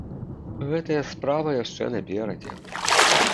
Гэтая справа яшчэ наперадзе.